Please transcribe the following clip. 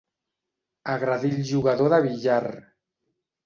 Agredir el jugador de billar.